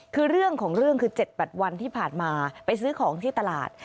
คือเรื่องของเรื่องคือ๗๘วันที่ผ่านมาไปซื้อของที่ตลาด